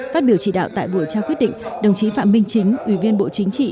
phát biểu chỉ đạo tại buổi trao quyết định đồng chí phạm minh chính ủy viên bộ chính trị